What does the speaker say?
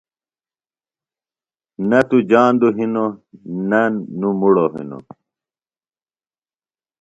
نہ تو جاندوۡ ہِنوۡ نہ نوۡ مُڑو ہِنوۡ۔